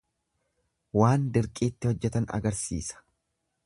Waan dirqiitti hojjetan agarsiisa.